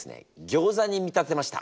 ギョーザに見立てました。